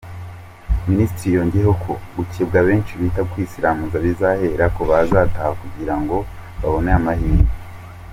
Minisitiri yongeyeho ko gukebwa benshi bita “kwisiramuza” bizahera ku bazataha kugirango babone ayo mahirwe.